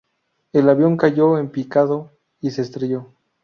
El avión cayó en picado y se estrelló.